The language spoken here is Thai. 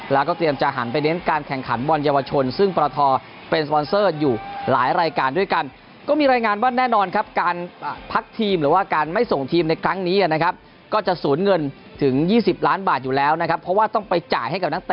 แล้วก็เตรียมจะหันไปเน้นการแข่งขันบอลเยาวชนซึ่งประทอ